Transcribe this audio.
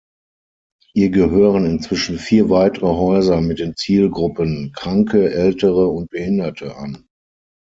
Ihr gehören inzwischen vier weitere Häuser mit den Zielgruppen Kranke, Ältere und Behinderte an.